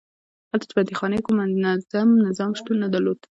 هلته د بندیخانې کوم منظم نظام شتون نه درلود.